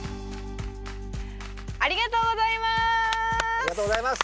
ありがとうございます！